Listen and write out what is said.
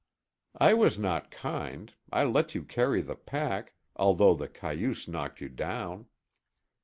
"I was not kind. I let you carry the pack, although the cayuse knocked you down."